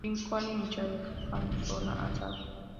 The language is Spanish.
Lincoln y Michael dejan sola a Sara.